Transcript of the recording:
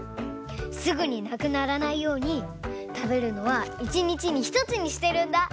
すぐになくならないようにたべるのは１にちに１つにしてるんだ！